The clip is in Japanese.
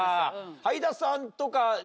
はいださんとか。